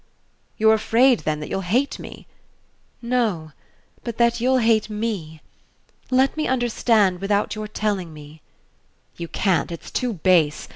"You're afraid, then, that you'll hate me?" "No but that you'll hate ME. Let me understand without your telling me." "You can't. It's too base.